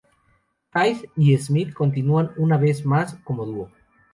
Hyde y Smith continúan una vez más, como dúo.